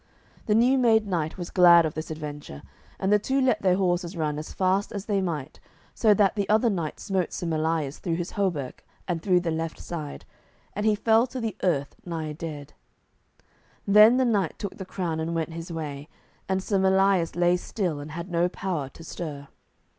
The new made knight was glad of this adventure, and the two let their horses run as fast as they might, so that the other knight smote Sir Melias through his hauberk and through the left side, and he fell to the earth nigh dead. Then the knight took the crown and went his way, and Sir Melias lay still, and had no power to stir.